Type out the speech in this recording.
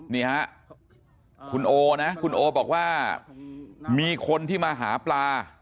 นี่ฮะคุณโอนะคุณโอบอกว่ามีคนที่มาหาปลา